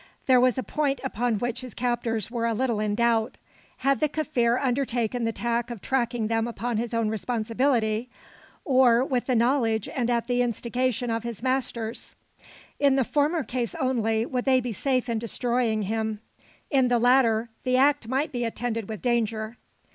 There was a point upon which his captors were a little in doubt. Had the Kaffir undertaken the task of tracking them upon his own responsibility, or with the knowledge and at the instigation of his masters? In the former case only, would they be safe in destroying him. In the latter, the act might be attended with danger.